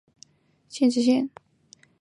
授福清县知县。